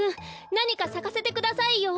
なにかさかせてくださいよ。